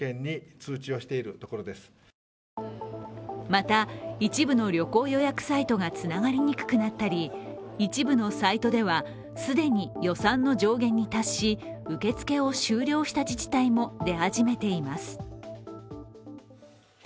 また一部の旅行予約サイトがつながりにくくなったり一部のサイトでは、既に予算の上限に達し受け付けを終了した自治体も出始めています。